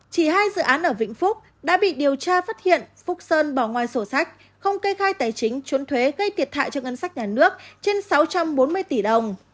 chỉ hai dự án ở vĩnh phúc đã bị điều tra phát hiện phúc sơn bỏ ngoài sổ sách không kê khai tài chính trốn thuế gây thiệt hại cho ngân sách nhà nước trên sáu trăm bốn mươi tỷ đồng